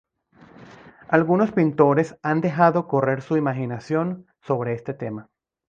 Algunos pintores han dejado correr su imaginación sobre este tema.